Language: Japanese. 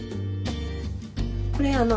これあの